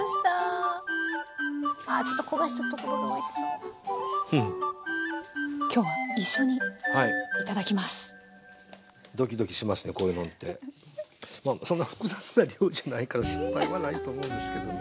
そんな複雑な料理じゃないから失敗はないと思うんですけどね。